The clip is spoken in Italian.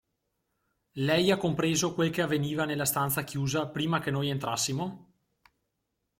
Lei ha compreso quel che avveniva nella stanza chiusa, prima che noi entrassimo?